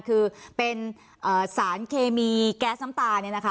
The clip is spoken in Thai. คือเป็นสารเคมีแก๊สน้ำตาล